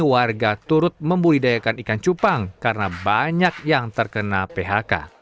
warga turut membudidayakan ikan cupang karena banyak yang terkena phk